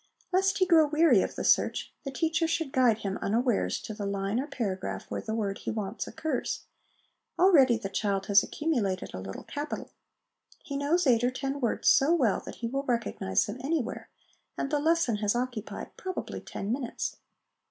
Lest he grow weary of the search, the teacher should guide him, unawares, to the line or paragraph where the word he wants occurs. Already the child has accumulated a little capital ; he knows eight or ten words so well that he will recognise them anywhere, and the lesson has occupied probably ten minutes.